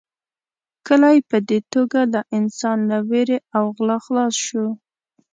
کلی په دې توګه له انسان له وېرې او غلا خلاص شو.